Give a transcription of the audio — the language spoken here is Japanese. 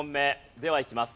ではいきます。